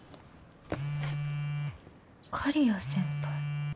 刈谷先輩。